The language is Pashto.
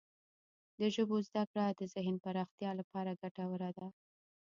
د ژبو زده کړه د ذهن پراختیا لپاره ګټوره ده.